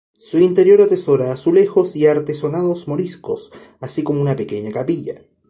Su interior atesora azulejos y artesonados moriscos, así como una pequeña capilla.